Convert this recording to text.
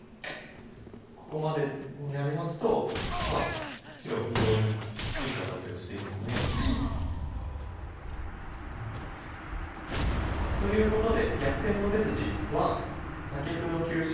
ここまでになりますとまあ白は非常にいい形をしていますね。ということで「逆転の手筋１」。